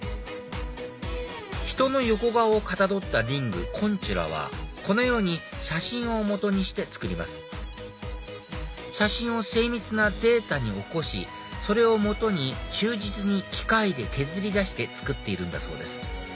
人の横顔をかたどったリングＣＯＮＴＵＲＡはこのように写真を基にして作ります写真を精密なデータに起こしそれを基に忠実に機械で削り出して作っているんだそうです